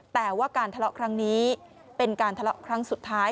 แต่ว่าการทะเลาะครั้งนี้เป็นการทะเลาะครั้งสุดท้าย